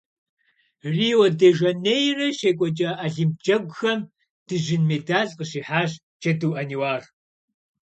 Рио-де-Жанейрэ щекӀуэкӀа Олимп Джэгухэм дыжьын медаль къыщихьащ Джэду Ӏэниуар.